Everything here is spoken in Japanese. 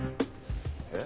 えっ？